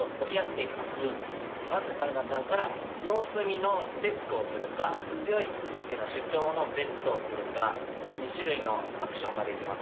まず春菜さんから様子見のチェックをするか強いっていうのを主張のベットをするか２種類のアクションができます。